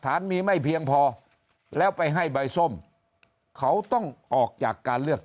ฐานมีไม่เพียงพอแล้วไปให้ใบส้มเขาต้องออกจากการเลือก